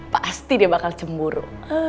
pasti dia bakal cemburu